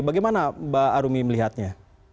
bagaimana mbak arumi melihatnya